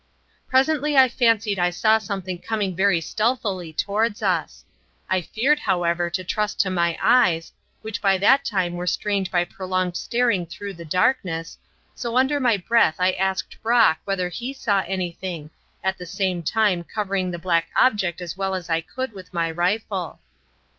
Presently I fancied I saw something coming very stealthily towards us. I feared, however, to trust to my eyes, which by that time were strained by prolonged staring through the darkness, so under my breath I asked Brock whether he saw anything, at the same time covering the dark object as well as I could with my rifle.